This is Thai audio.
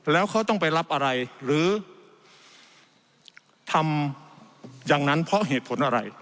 แล้วเขาต้องไปรับอะไรหรือทำอย่างนั้นเพราะเหตุผลอะไร